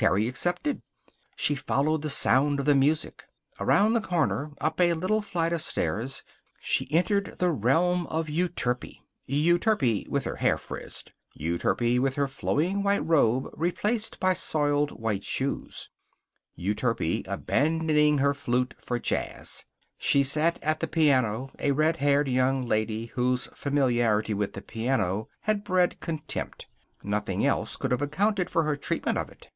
Terry accepted. She followed the sound of the music. Around the corner. Up a little flight of stairs. She entered the realm of Euterpe; Euterpe with her hair frizzed; Euterpe with her flowing white robe replaced by soiled white shoes; Euterpe abandoning her flute for jazz. She sat at the piano, a red haired young lady whose familiarity with the piano had bred contempt. Nothing else could have accounted for her treatment of it.